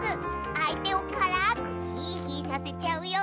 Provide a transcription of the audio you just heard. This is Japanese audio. あいてをからくヒーヒーさせちゃうよ。